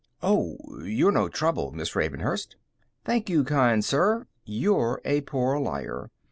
"Oh, you're no trouble, Miss Ravenhurst." "Thank you, kind sir; you're a poor liar."